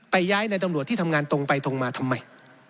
ย้ายในตำรวจที่ทำงานตรงไปตรงมาทำไม